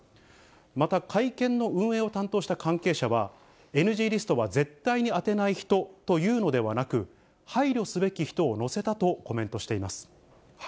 また、会見の運営を担当した関係者は、ＮＧリストは絶対に当てない人というのではなく、配慮すべき人を載せたとコメントしています。